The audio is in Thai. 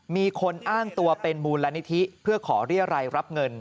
มีคนอ้างตัวเป็นมูลนิธิเพื่อขอเรียรัยรับเงิน